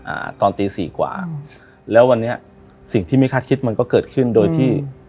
อ่าตอนตีสี่กว่าอืมแล้ววันนี้สิ่งที่ไม่คาดคิดมันก็เกิดขึ้นโดยที่